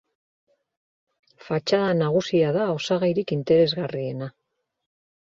Fatxada nagusia da osagairik interesgarriena.